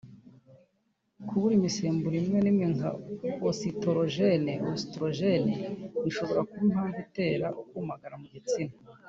Kubura imisemburo imwe n’imwe nka Ositorojene (oestrogènes) bishobora kuba impamvu itera ukumagara mu gitsina